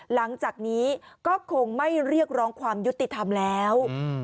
หลังจากนี้ก็คงไม่เรียกร้องความยุติธรรมแล้ว